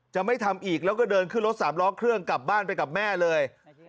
ไม่ทำอีกแล้วก็เดินขึ้นรถสามล้อเครื่องกลับบ้านไปกับแม่เลย